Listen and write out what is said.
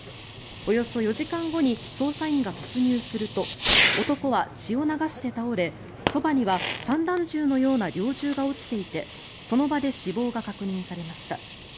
およそ４時間後に捜査員が突入すると男は血を流して倒れそばには散弾銃のような猟銃が落ちていてその場で死亡が確認されました。